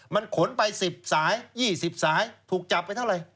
มันขนไป๑๐สาย๒๐สายถูกจับไปเท่าไหร่